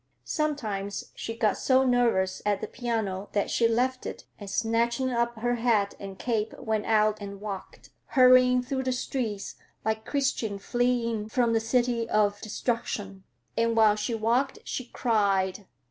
Sometimes she got so nervous at the piano that she left it, and snatching up her hat and cape went out and walked, hurrying through the streets like Christian fleeing from the City of Destruction. And while she walked she cried.